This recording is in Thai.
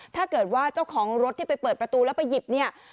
ถ้าเกิดว่าเจ้าของรถที่ไปเปิดประตูแล้วไปหยิบเนี่ย